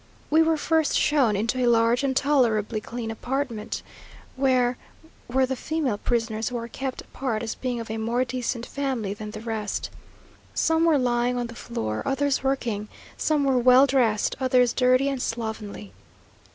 We were first shown into a large and tolerably clean apartment, where were the female prisoners who are kept apart as being of a more decent family than the rest. Some were lying on the floor, others working some were well dressed, others dirty and slovenly.